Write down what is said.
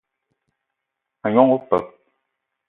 A gnong opeup